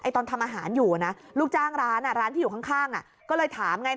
ตอนทำอาหารอยู่นะลูกจ้างร้านร้านที่อยู่ข้างก็เลยถามไง